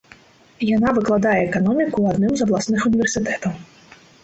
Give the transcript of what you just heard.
Яна выкладае эканоміку ў адным з абласных універсітэтаў.